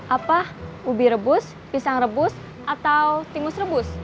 apa ubi rebus pisang rebus atau timus rebus